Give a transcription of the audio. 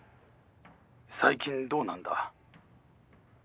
最近どうなんだ？